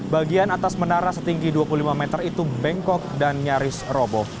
bagian atas menara setinggi dua puluh lima meter itu bengkok dan nyaris roboh